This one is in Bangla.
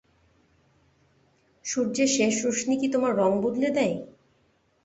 সূর্যের শেষ রশ্মি কি তোমার রঙ বদলে দেয়?